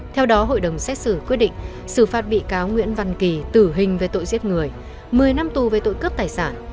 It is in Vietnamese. theo đó hội đồng xét xử quyết định xử phạt bị cáo nguyễn văn kỳ tử hình về tội giết người một mươi năm tù về tội cướp tài sản